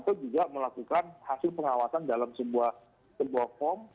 atau juga melakukan hasil pengawasan dalam sebuah form